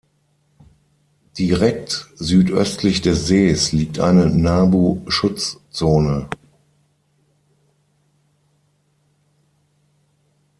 Direkt südöstlich des Sees liegt eine Nabu-Schutzzone.